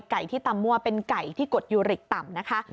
ที่ตำมั่วเป็นไก่ที่กดยูริกต่ำนะคะ